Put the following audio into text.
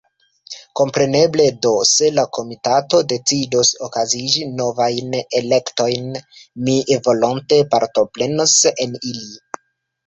Kompreneble do, se la Komitato decidos okazigi novajn elektojn, mi volonte partoprenos en ili.